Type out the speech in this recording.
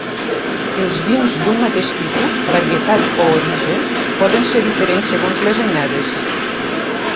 Els vins d'un mateix tipus, varietat o origen poden ser diferents segons les anyades.